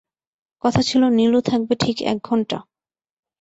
কথা ছিল নীলু থাকবে ঠিক এক ঘন্টা।